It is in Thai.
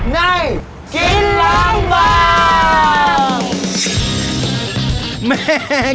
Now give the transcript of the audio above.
ในกินล้างบาง